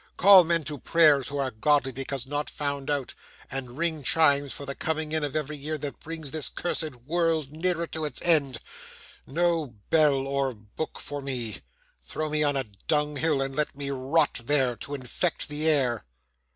Call men to prayers who are godly because not found out, and ring chimes for the coming in of every year that brings this cursed world nearer to its end. No bell or book for me! Throw me on a dunghill, and let me rot there, to infect the air!